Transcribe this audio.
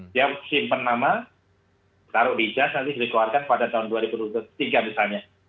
dia simpan nama taruh di jaz nanti dikeluarkan pada tahun dua ribu dua puluh tiga misalnya